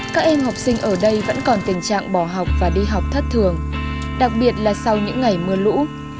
các em học sinh ở đây vẫn còn tình trạng bỏ học và đi học thất thường đặc biệt là sau những ngày mưa lũ